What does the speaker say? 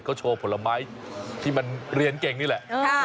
ก็โชว์ผลไม้ที่มันเรียนเก่งนี่แหละ